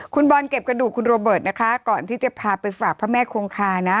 คุณบอลเก็บกระดูกคุณโรเบิร์ตนะคะก่อนที่จะพาไปฝากพระแม่คงคานะ